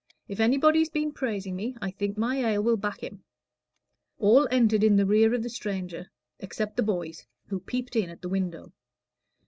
If anybody's been praising me, I think my ale will back him." All entered in the rear of the stranger except the boys, who peeped in at the window.